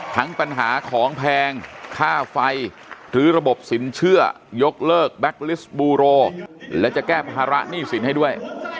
ปัญหาของแพงค่าไฟหรือระบบสินเชื่อยกเลิกแก๊กลิสต์บูโรและจะแก้ภาระหนี้สินให้ด้วย